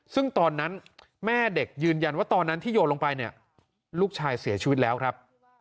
ซึ่งตอนนั้นแม่เด็กยืนยันว่าตอนนั้นที่โยนลงไปเนี่ยลูกชายเสียชีวิตแล้วครับ